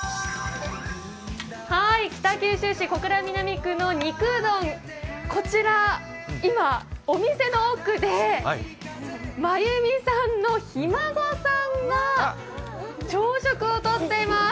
北九州市小倉南区の肉うどん、こちら、今、お店の奥で、眞弓さんのひ孫さんが朝食をとっています。